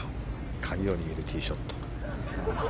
鍵を握るティーショット。